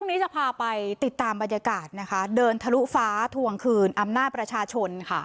วันนี้จะพาไปติดตามบรรยากาศนะคะเดินทะลุฟ้าทวงคืนอำนาจประชาชนค่ะ